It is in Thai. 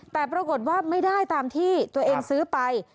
แต่ปรากฏว่าไม่ได้ตามที่ตัวเองซื้อไป